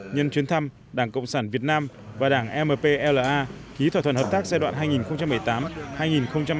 nhân chuyến thăm đảng cộng sản việt nam và đảng mpla ký thỏa thuận hợp tác giai đoạn hai nghìn một mươi tám hai nghìn hai mươi